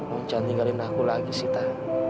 oh jangan tinggalin aku lagi sita